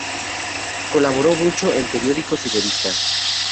Colaboró mucho en periódicos y revistas.